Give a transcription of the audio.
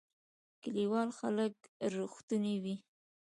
کلیوال خلک رښتونی وی